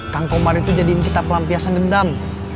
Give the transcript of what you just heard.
kang komar itu jadi kita pelampiasan dendam